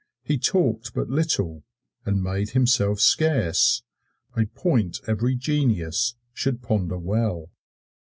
He talked but little, and made himself scarce a point every genius should ponder well.